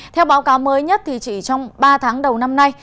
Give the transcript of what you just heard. theo báo cáo mới nhất thì chỉ trong ba tháng đầu năm nay